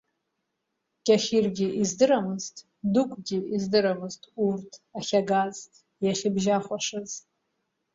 Кьахьыргьы издырамызт, Дыгәгьы издырамызт урҭ ахьагаз, иахьыбжьахәашаз.